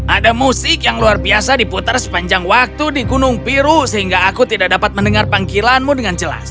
ada musik yang luar biasa diputar sepanjang waktu di gunung biru sehingga aku tidak dapat mendengar panggilanmu dengan jelas